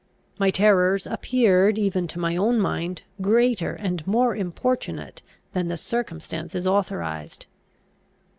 My terrors appeared, even to my own mind, greater and more importunate than the circumstances authorised.